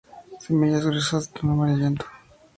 Semillas gruesas de tono amarillento.